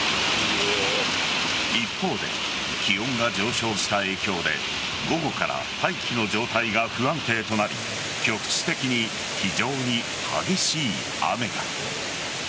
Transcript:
一方で気温が上昇した影響で午後から大気の状態が不安定となり局地的に非常に激しい雨が。